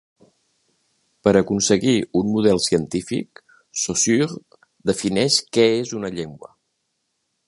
Per aconseguir un model científic Saussure defineix què és una llengua.